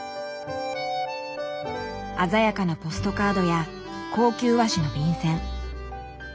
鮮やかなポストカードや高級和紙の便せん。